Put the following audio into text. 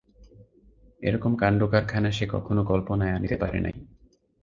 এরকম কাণ্ডকারখানা সে কখনও কল্পনায় আনিতে পারে নাই।